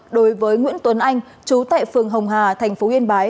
đối với nguyễn tuấn anh chú tại phường hồng hà thành phố yên bái